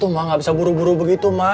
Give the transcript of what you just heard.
aduh mak gak bisa buru buru begitu mak